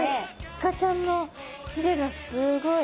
イカちゃんのひれがすごい。